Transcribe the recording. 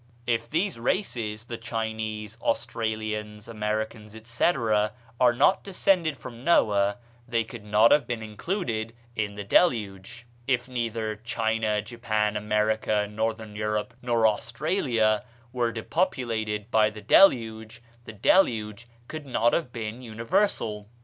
If these races (the Chinese, Australians, Americans, etc.) are not descended from Noah they could not have been included in the Deluge. If neither China, Japan, America, Northern Europe, nor Australia were depopulated by the Deluge, the Deluge could not have been universal.